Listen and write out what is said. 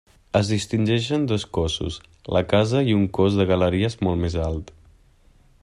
Es distingeixen dos cossos: la casa i un cos de galeries molt més alt.